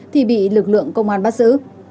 thì bị lực lượng công an bắt giữ